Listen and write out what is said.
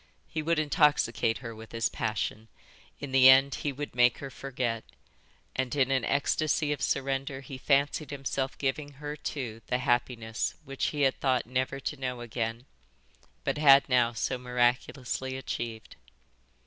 He would intoxicate her with his passion. In the end he would make her forget. And in an ecstasy of surrender he fancied himself giving her too the happiness which he had thought never to know again, but had now so miraculously achieved.